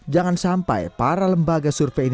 jangan sampai para lembaga survei yang diperlukan